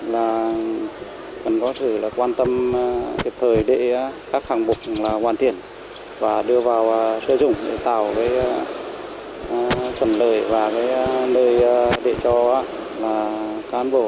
cần có thể quan tâm hiệp thời để các hạng mục hoàn thiện và đưa vào sử dụng để tạo phần lợi và nơi để cho cán bộ